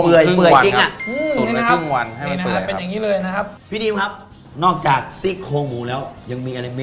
เออเปื่อยครับ